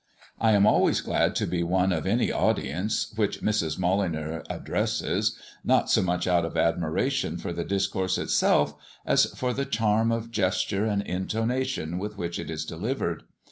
I am always glad to be one of any audience which Mrs. Molyneux addresses, not so much out of admiration for the discourse itself, as for the charm of gesture and intonation with which it is delivered.